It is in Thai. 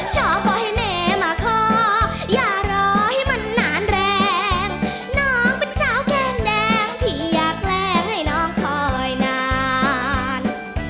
ชอบก็ให้แม่มาขออย่ารอให้มันนานแรงน้องเป็นสาวแก้งแดงที่อยากแรงให้น้องคอยนาน